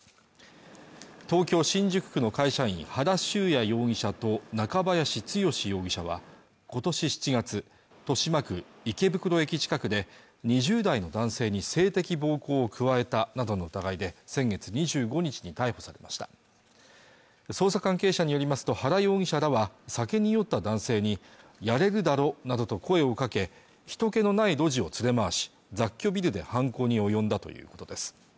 東京新宿区の会社員原修也容疑者と中林強容疑者は今年７月豊島区池袋駅近くで２０代の男性に性的暴行を加えたなどの疑いで先月２５日に逮捕されました捜査関係者によりますと原容疑者らは酒に酔った男性にやれるだろなどと声をかけ人気のない路地を連れ回し雑居ビルで犯行に及んだということです